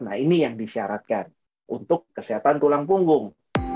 nah ini yang disyaratkan untuk kesehatan tulang punggung